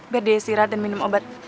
biar dia istirahat dan minum obat